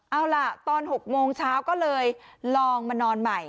เอาล่ะตอน๖โมงเช้าก็เลยลองมานอนใหม่